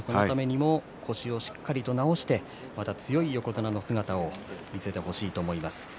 腰をしっかりと治して強い横綱の姿を見せてほしいと思います。